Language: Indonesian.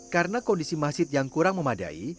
karena kondisi masjid yang kurang memadai